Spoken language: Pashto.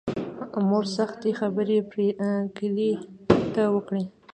مور سختې خبرې پري ګلې ته وکړې